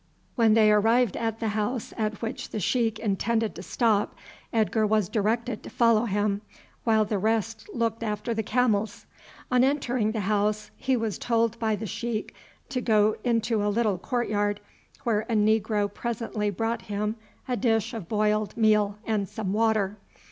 When they arrived at the house at which the sheik intended to stop, Edgar was directed to follow him, while the rest looked after the camels. On entering the house he was told by the sheik to go into a little court yard, where a negro presently brought him a dish of boiled meal and some water.